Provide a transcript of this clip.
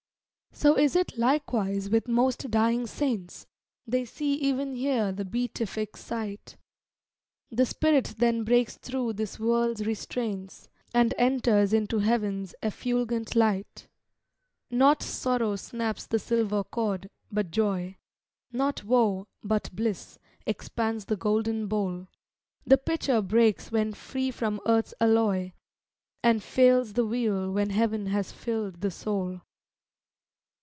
So is it, likewise, with most dying saints; They see e'en here the beatific sight; The spirit then breaks thro' this world's restraints, And enters into heaven's effulgent light. Not sorrow snaps the silver cord, but joy; Not woe, but bliss, expands the golden bowl. The pitcher breaks when free from earth's alloy, And fails the wheel when heaven has filled the soul.